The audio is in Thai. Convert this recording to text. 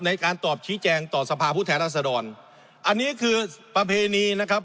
ในการตอบชี้แจงต่อสภาพผู้แทนรัศดรอันนี้คือประเพณีนะครับ